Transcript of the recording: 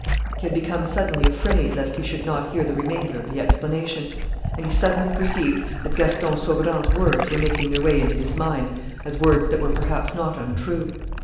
He had become suddenly afraid lest he should not hear the remainder of the explanation; and he suddenly perceived that Gaston Sauverand's words were making their way into his mind as words that were perhaps not untrue.